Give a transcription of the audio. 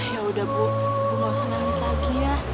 ya udah bu gak usah nangis lagi ya